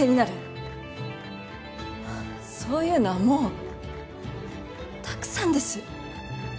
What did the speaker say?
そういうのはもうたくさんです。